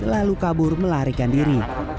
lalu kabur melarikan diri